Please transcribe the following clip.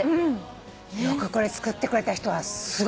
これ作ってくれた人はすごい！